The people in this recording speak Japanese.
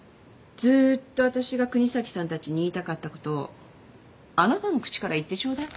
ずっと私が國東さんたちに言いたかったことをあなたの口から言ってちょうだい。